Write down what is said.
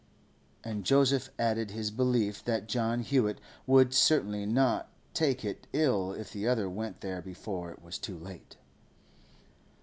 And Joseph added his belief that John Hewett would certainly not take it ill if the other went there before it was too late.